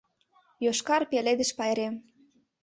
ЙОШКАР ПЕЛЕДЫШ ПАЙРЕМ